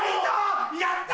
やった！